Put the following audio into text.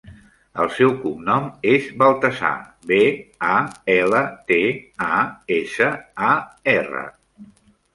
El seu cognom és Baltasar: be, a, ela, te, a, essa, a, erra.